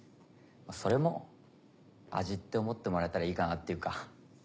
それも味って思ってもらえたらいいかなっていうか。